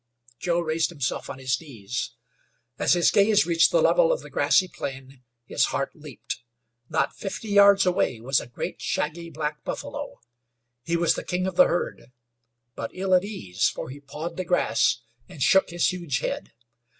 Joe raised himself on his knees. As his gaze reached the level of the grassy plain his heart leaped. Not fifty yards away was a great, shaggy, black buffalo. He was the king of the herd; but ill at ease, for he pawed the grass and shook his huge head.